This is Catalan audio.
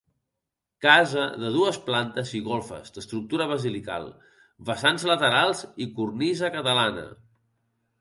Casa de dues plantes i golfes d’estructura basilical, vessants laterals i cornisa catalana.